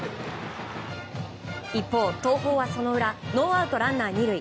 一方、東邦は、その裏ノーアウトランナー２塁。